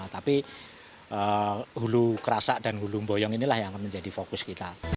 tapi hulu kerasak dan hulu boyok inilah yang menjadi fokus kita